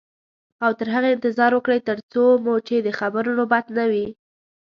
او تر هغې انتظار وکړئ تر څو مو چې د خبرو نوبت نه وي.